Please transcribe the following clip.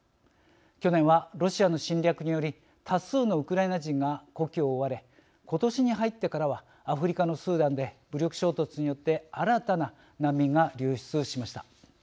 去年はロシアの侵略により多数のウクライナ人が故郷を追われ今年に入ってからはアフリカのスーダンで武力衝突によって新たな難民が流出しました。